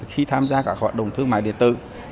khi tham gia cả hoạt động thương mại điện thoại